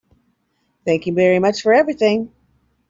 Thank you very much for everything.